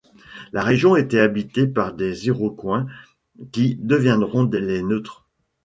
La région était habitée par des Iroquoiens qui deviendront les Neutres.